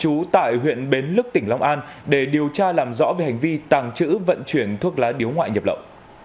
nguyễn công minh chú tại huyện bến lức tỉnh long an để điều tra làm rõ về hành vi tàng trữ vận chuyển thuốc lá điếu ngoại nhập lậu